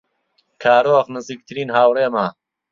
کارۆخ نزیکترین هاوڕێمە.